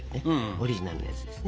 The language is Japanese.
オリジナルのやつですね。